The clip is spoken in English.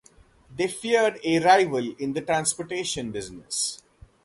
They feared a rival in the transportation business.